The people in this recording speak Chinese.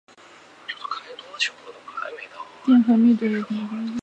电荷密度也可能会跟位置有关。